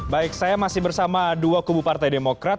baik saya masih bersama dua kubu partai demokrat